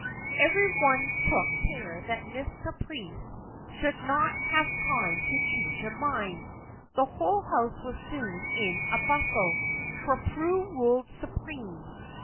Every one took care that Miss Caprice should not have time to change her mind. The whole house was soon in a bustle, for Prue ruled supreme.